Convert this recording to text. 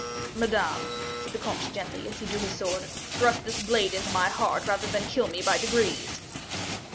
"Madame," said the comte, gently, as he drew his sword, "thrust this blade into my heart, rather than kill me by degrees."